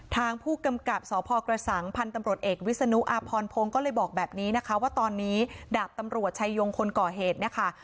ทางผู้กำกับสพกระสังพันธ์ตำรวจเอกวิศนุอาพรพงศ์ก็เลยบอกแบบนี้นะคะว่าตอนนี้ดาบตำรวจชายงคนก่อเหตุเนี่ยค่ะ